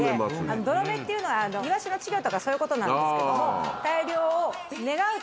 どろめっていうのはイワシの稚魚とかそういうことなんですけども。